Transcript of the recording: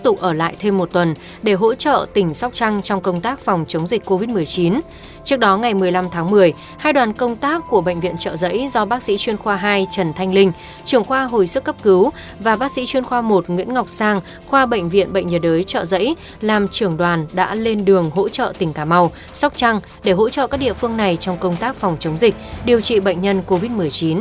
theo đoàn công tác của bệnh viện chợ giấy do bác sĩ chuyên khoa hai trần thanh linh trưởng khoa hồi sức cấp cứu và bác sĩ chuyên khoa một nguyễn ngọc sang khoa bệnh viện bệnh nhiệt đới chợ giấy làm trưởng đoàn đã lên đường hỗ trợ tỉnh cà mau sóc trăng để hỗ trợ các địa phương này trong công tác phòng chống dịch điều trị bệnh nhân covid một mươi chín